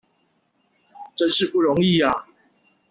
真是不容易啊！